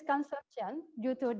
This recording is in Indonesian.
konsumsi yang meningkat